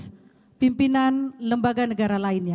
dari pimpinan lembaga negara lainnya